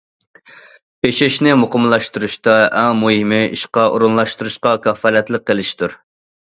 ئېشىشنى مۇقىملاشتۇرۇشتا ئەڭ مۇھىمى ئىشقا ئورۇنلاشتۇرۇشقا كاپالەتلىك قىلىشتۇر.